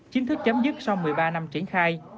chính thức chấm dứt sau một mươi ba năm triển khai